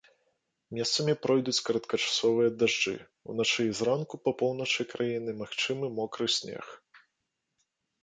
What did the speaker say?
Месцамі пройдуць кароткачасовыя дажджы, уначы і зранку па поўначы краіны магчымы мокры снег.